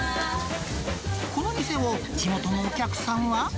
この店を地元のお客さんは。